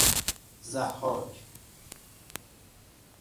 ضحاک